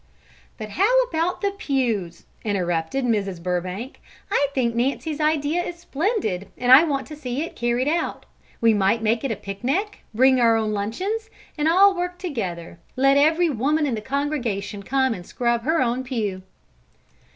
"But how about the pews?" interrupted Mrs. Burbank. "I think Nancy's idea is splendid, and I want to see it carried out. We might make it a picnic, bring our luncheons, and work all together; let every woman in the congregation come and scrub her own pew."